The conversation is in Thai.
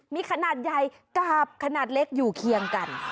มีขนาดใหญ่กาบขนาดเล็กอยู่เคียงกัน